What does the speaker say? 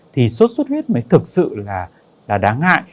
thì sốt xuất huyết mới thực sự là đáng ngại